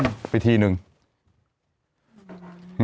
ตบหน้าเราพอไอ้คนที่นั่งอยู่ข้างล่างเนี่ยไปทีนึง